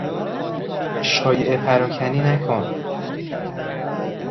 شایعه پراکنی نکن!